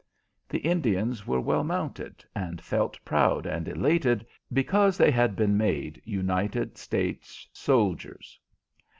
The Indians were well mounted, and felt proud and elated because they had been made United States soldiers.